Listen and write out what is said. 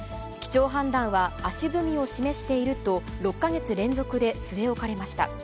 基調判断は、足踏みを示していると、６か月連続で据え置かれました。